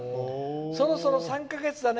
そろそろ３か月だね。